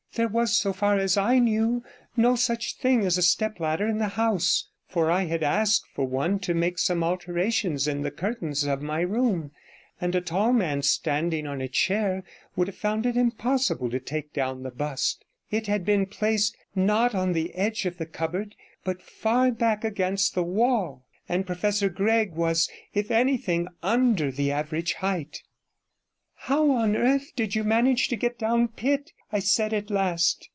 There was, so far as I knew, no such thing as a stepladder in the house, for I had asked for one to make some alteration in the curtains of my room, and a tall man standing on a chair would have found it impossible to take down the bust. It had been placed, not on the edge of the cupboard, but far back against the wall; and Professor Gregg was, if anything, under the average height. 'How on earth did you manage to get down Pitt?' I said at last.